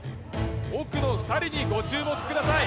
奥の２人にご注目ください